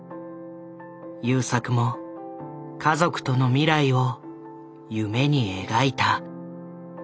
優作も家族との未来を夢に描いた。